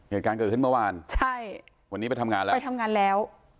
เหตุการณ์เกิดขึ้นเมื่อวานใช่วันนี้ไปทำงานแล้วไปทำงานแล้ว